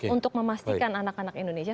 untuk memastikan anak anak indonesia